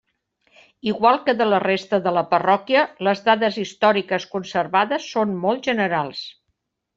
Igual que de la resta de la parròquia, les dades històriques conservades són molt generals.